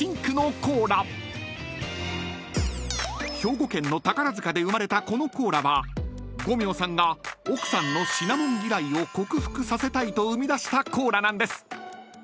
［兵庫県の宝塚で生まれたこのコーラは五明さんが奥さんのシナモン嫌いを克服させたいと生み出したコーラなんです］